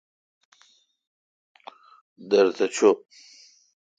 دیرگ تھ چو۔